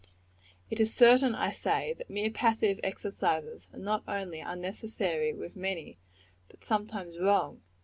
It is certain, I say, that mere passive exercises are not only unnecessary with many, but sometimes wrong.